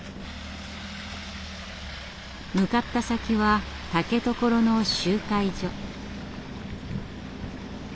向かった先は竹所の集会所。